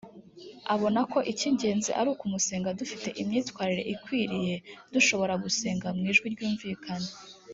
abona ko icy ingenzi ari ukumusenga dufite imyifatire ikwiriye dushobora gusenga mu ijwi ryumvikana